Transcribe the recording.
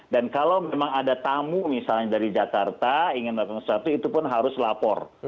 dan kalau memang ada tamu misalnya dari jakarta ingin datang ke jakarta itu pun harus lapor